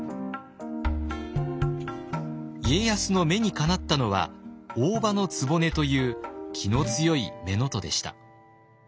家康の目にかなったのは大姥局という気の強い乳母でした。